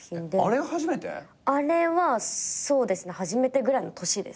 あれはそうですね初めてぐらいの年です。